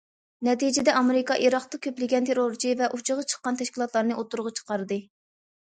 نەتىجىدە، ئامېرىكا ئىراقتا كۆپلىگەن تېررورچى ۋە ئۇچىغا چىققان تەشكىلاتلارنى ئوتتۇرىغا چىقاردى.